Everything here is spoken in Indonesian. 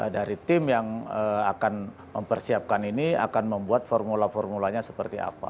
dari tim yang akan mempersiapkan ini akan membuat formula formulanya seperti apa